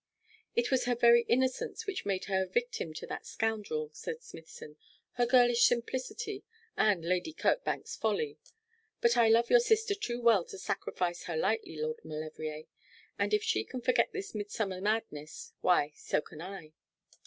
'It was her very innocence which made her a victim to that scoundrel,' said Smithson, 'her girlish simplicity and Lady Kirkbank's folly. But I love your sister too well to sacrifice her lightly, Lord Maulevrier; and if she can forget this midsummer madness, why, so can I.'